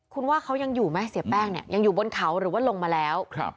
คุณว่าเขายังอยู่ไหมเสียแป้งเนี่ยยังอยู่บนเขาหรือว่าลงมาแล้ว